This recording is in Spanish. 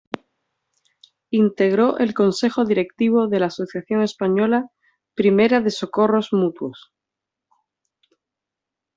Integró el Consejo Directivo de la Asociación Española Primera de Socorros Mutuos.